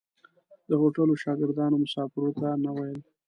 د هوټلو شاګردانو مسافرو ته نه ویل.